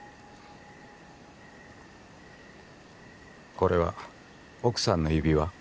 これは奥さんの指輪？